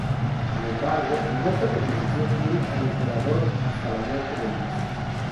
Sin embargo, Alberto permaneció fiel al emperador hasta la muerte de Luis.